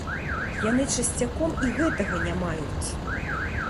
Яны часцяком і гэтага не маюць.